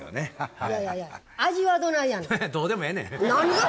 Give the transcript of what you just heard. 何がどうでもええねん。